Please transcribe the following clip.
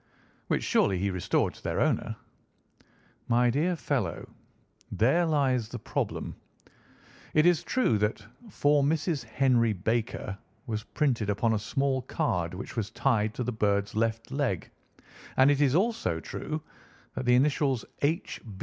"Which surely he restored to their owner?" "My dear fellow, there lies the problem. It is true that 'For Mrs. Henry Baker' was printed upon a small card which was tied to the bird's left leg, and it is also true that the initials 'H.